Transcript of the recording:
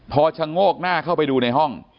พอชะโงกหน้าเข้าไปดูในห้อง